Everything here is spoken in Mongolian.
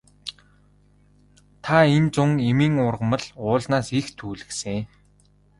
Та энэ зун эмийн ургамал уулнаас их түүлгэсэн.